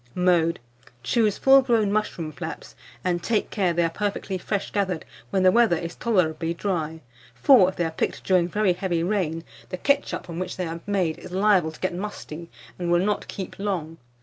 Mode. Choose full grown mushroom flaps, and take care they are perfectly fresh gathered when the weather is tolerably dry; for, if they are picked during very heavy rain, the ketchup from which they are made is liable to get musty, and will not keep long.